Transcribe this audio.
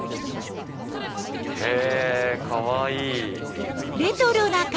へぇかわいい！